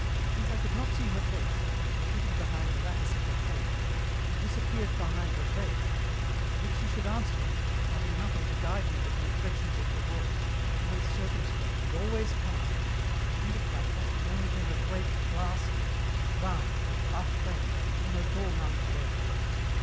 Since I could not see her face, which 112 EN ROUTE. was hidden behind the lattice of her cage, and disappeared Dehind her veil, and if she should answer me, having nothing to guide me but the inflexions of her voice, always circumspect and always calm, I ended by trusting only to her great glasses, round, with buff frames, which almost all nuns wear.